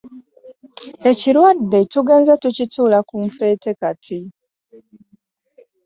Ekirwadde tugenze tukituula ku nfeete kati.